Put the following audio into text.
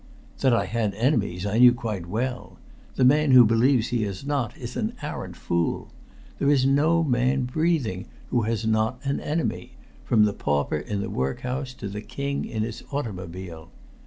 That I had enemies I knew quite well. The man who believes he has not is an arrant fool. There is no man breathing who has not an enemy, from the pauper in the workhouse to the king in his automobile.